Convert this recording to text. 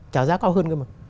trả giá cao hơn cơ mà